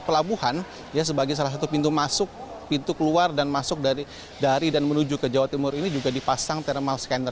pelabuhan ya sebagai salah satu pintu masuk pintu keluar dan masuk dari dan menuju ke jawa timur ini juga dipasang thermal scanner